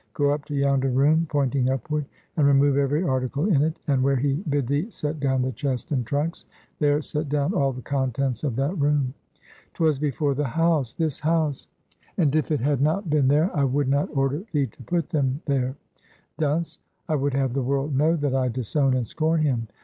Go up to yonder room" (pointing upward), "and remove every article in it, and where he bid thee set down the chest and trunks, there set down all the contents of that room." "'Twas before the house this house!" "And if it had not been there, I would not order thee to put them there. Dunce! I would have the world know that I disown and scorn him!